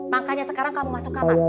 makanya sekarang kamu masuk kamar